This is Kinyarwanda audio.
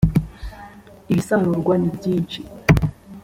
ibisarurwa ni byinshi